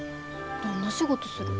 どんな仕事する？